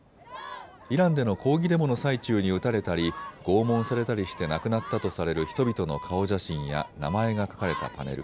イランでの抗議デモの最中に撃たれたり拷問されたりして亡くなったとされる人々の顔写真や名前が書かれたパネル